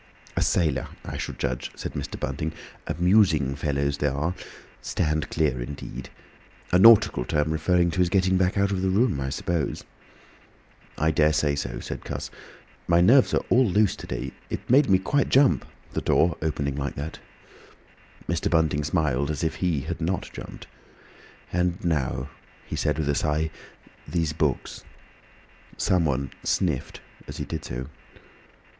"A sailor, I should judge," said Mr. Bunting. "Amusing fellows, they are. Stand clear! indeed. A nautical term, referring to his getting back out of the room, I suppose." "I daresay so," said Cuss. "My nerves are all loose to day. It quite made me jump—the door opening like that." Mr. Bunting smiled as if he had not jumped. "And now," he said with a sigh, "these books." Someone sniffed as he did so.